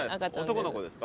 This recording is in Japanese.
男の子ですか？